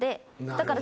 だから。